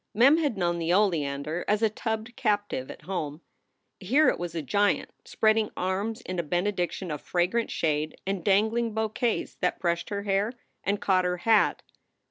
Mem had known the oleander as a tubbed captive at home. Here it was a giant, spreading arms in a benediction of fragrant shade and dangling bouquets that brushed her hair and caught her hat.